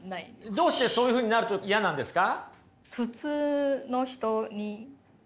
どうしてそういうふうになると嫌なんですか？